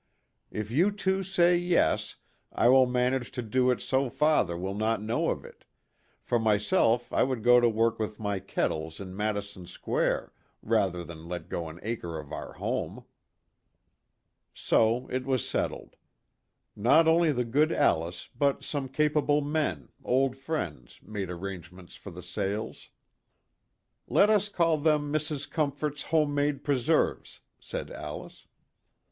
If you two say yes, I will manage to do it so father will not know of it for myself I would go to work with my kettles in Madison Square rather than let go an acre of our home." So it was settled. Not only the good Alice but some capable men, old friends, made arrange ments for the sales. "Let us call them Mrs. Comfort's Home made Preserves." said Alice.